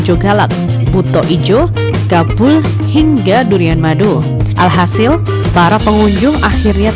sejumlah pembeli juga mengaku senang dengan digelarnya basar buah durian